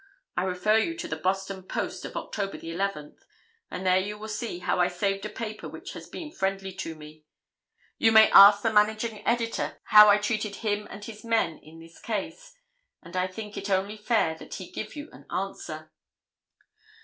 I refer you to the Boston Post of October 11th, and there you will see how I saved a paper which has been friendly to me. You may ask the managing editor how I treated him and his men in this case, and I think it only fair that he give you an answer."